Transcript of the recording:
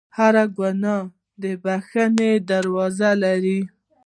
هر ګناه د بخښنې دروازه لري.